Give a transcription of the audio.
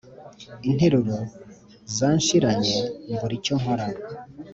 interuro zanshiranye mbura icyo nkora